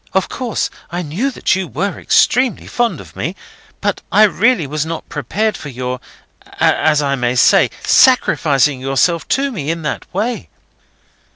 Of course I knew that you were extremely fond of me, but I really was not prepared for your, as I may say, sacrificing yourself to me in that way."